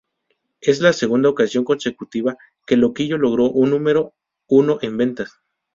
Es la segunda ocasión consecutiva que Loquillo logró un número uno en ventas.